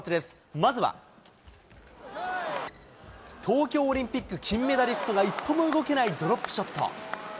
まずは、東京オリンピック金メダリストが一歩も動けないドロップショット。